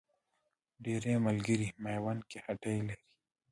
ډېری ملګري میوند کې هټۍ لري.